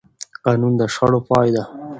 قانون د شخړو پای دی